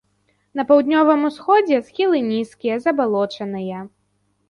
На паўднёвым усходзе схілы нізкія, забалочаныя.